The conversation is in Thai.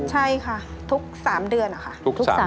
ใช่ค่ะทุก๓เดือนค่ะ